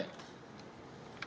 ini adalah peta potensi